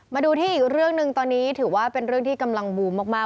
มาดูที่อีกเรื่องหนึ่งตอนนี้ถือว่าเป็นเรื่องที่กำลังบูมมาก